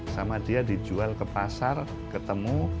sama dia dijual ke pasar ketemu